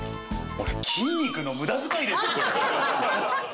俺筋肉の無駄遣いですこれ。